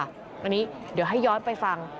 อันนี้เดี๋ยวให้ย้อนไปฟัง